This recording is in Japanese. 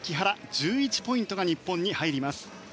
１１ポイントが日本に入ります。